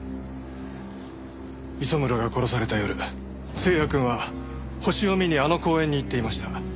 磯村が殺された夜星也くんは星を見にあの公園に行っていました。